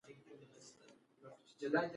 قبر د خاموشۍ ژبه لري.